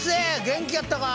元気やったか？